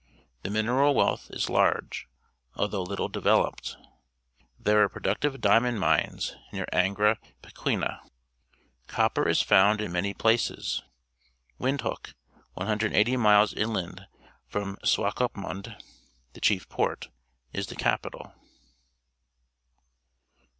The mineral wealth is large, al though little developed. There are pro ductive diamond mines near Angra Pequena. Copper is found in many places. Windhoek, 180 miles inland from Swakopniund, the chief port, is the capital.